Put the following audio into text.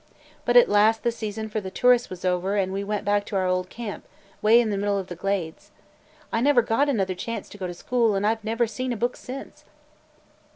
But at last the season for the tourists was over and we went back to our old camp, way in the middle of the Glades. I never got another chance to go to school and I 've never seen a book since!"